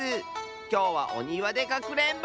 きょうはおにわでかくれんぼ！